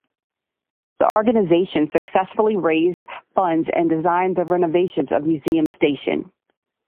The organization successfully raised funds and designed the renovations of Museum Station.